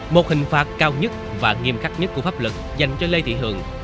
một hình phạt cao nhất và nghiêm khắc nhất của pháp luật dành cho lê thị hường